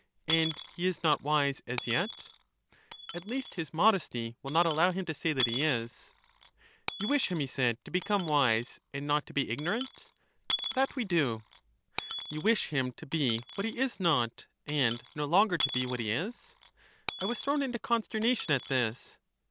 And he is not wise as yet? At least his modesty will not allow him to say that he is. You wish him, he said, to become wise and not to be ignorant? That we do. You wish him to be what he is not, and no longer to be what he is. I was thrown into consternation at this.